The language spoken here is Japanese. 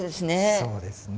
そうですね。